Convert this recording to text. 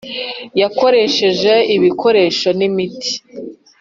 yakoresheje ibikoresho n imiti